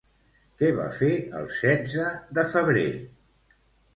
Què va fer el setze de febrer?